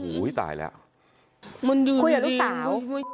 คุยกับลูกสาว